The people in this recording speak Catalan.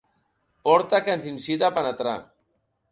Porta que ens incita a penetrar.